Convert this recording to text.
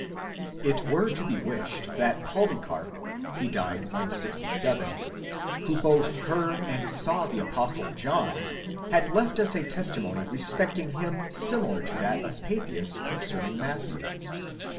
It were to be wished that Polycarp, (he died 167) who both heard and saw the Apostle John,® had left us a testimony respecting him similar to that of Papias concerning Matthew.